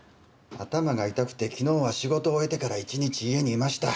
頭が痛くて昨日は仕事を終えてから一日家にいました。